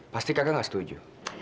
pasti kakak gak setuju